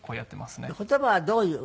言葉はどういう？